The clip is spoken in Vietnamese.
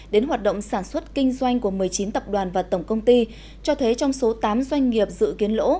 đến hoạt động sản xuất kinh doanh của một mươi chín tập đoàn và tổng công ty cho thấy trong số tám doanh nghiệp dự kiến lỗ